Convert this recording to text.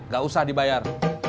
gak usah dibayar